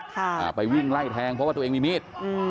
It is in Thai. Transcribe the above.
อ่าไปวิ่งไล่แทงเพราะว่าตัวเองมีมีดอืม